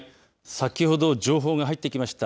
先ほど情報が入ってきました。